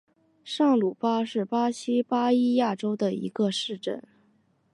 上巴鲁是巴西巴伊亚州的一个市镇。